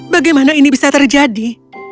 bagaimana ini bisa terjadi